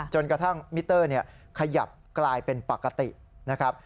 จนกระทั่งมิเตอร์ขยับกลายเป็นปกตินะครับ